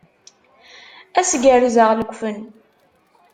Ad s-gerrzeɣ lekfen.